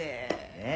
ねえ。